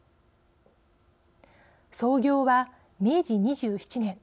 創業は明治２７年。